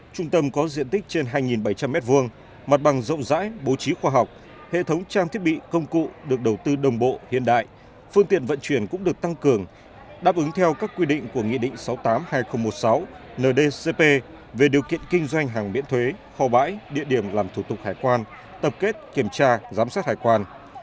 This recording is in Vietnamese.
trung tâm có diện tích trên hai bảy trăm linh m hai mặt bằng rộng rãi bố trí khoa học hệ thống trang thiết bị công cụ được đầu tư đồng bộ hiện đại phương tiện vận chuyển cũng được tăng cường đáp ứng theo các quy định của nghị định sáu mươi tám hai nghìn một mươi sáu ndcp về điều kiện kinh doanh hàng miễn thuế kho bãi địa điểm làm thủ tục hải quan tập kết kiểm tra giám sát hải quan